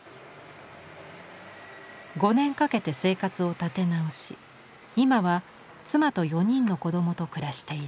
５年かけて生活を立て直し今は妻と４人の子供と暮らしている。